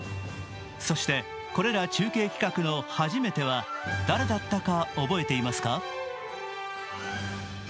そして、これら中継企画の初めては誰だったか覚えていますか？